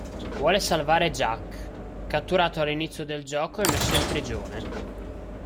Vuole salvare Jak, catturato all'inizio del gioco e messo in prigione.